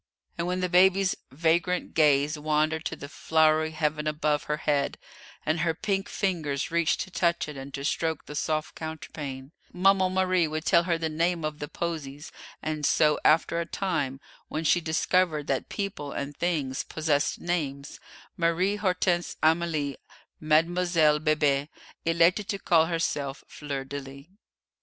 And when the baby's vagrant gaze wandered to the flowery heaven above her head, and her pink fingers reached to touch it and to stroke the soft counterpane, Maman Marie would tell her the name of the posies; and so after a time, when she discovered that people and things possessed names, Marie Hortense Amélie, Mademoiselle Bébé, elected to call herself Fleur de lis.